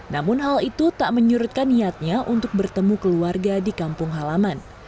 namun hal itu tak menyurutkan niatnya untuk bertemu keluarga di kampung halaman